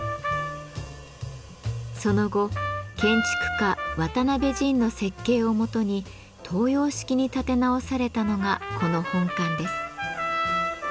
その後建築家・渡辺仁の設計をもとに東洋式に建て直されたのがこの本館です。